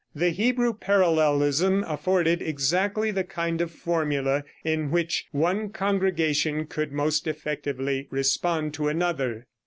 The Hebrew parallelism afforded exactly the kind of formula in which one congregation could most effectively respond to another.